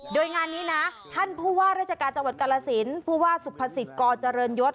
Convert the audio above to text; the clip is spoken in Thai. โดยงานนี้นะท่านผู้ว่าราชการจังหวัดกาลสินผู้ว่าสุภสิทธิ์กเจริญยศ